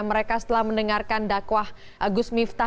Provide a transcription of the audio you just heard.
mereka setelah mendengarkan dakwah gus miftah